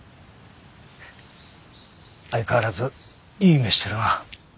相変わらずいい目してるな。